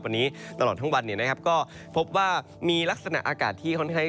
วันนี้ตลอดทั้งวันเนี่ยนะครับก็พบว่ามีลักษณะอากาศที่ค่อนข้าง